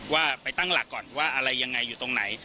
ว่าไปตั้งหลักก่อนว่าอะไรยังไงอยู่ตรงไหน